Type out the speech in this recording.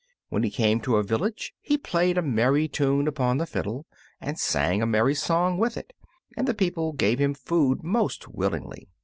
When he came to a village he played a merry tune upon the fiddle and sang a merry song with it, and the people gave him food most willingly.